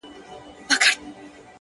• کنې دوى دواړي ويدېږي ورځ تېرېږي ـ